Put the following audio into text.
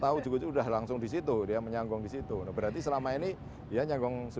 ya kaget juga tahu juga sudah langsung di situ dia menyanggung di situ berarti selama ini dia sudah nyanggung di situ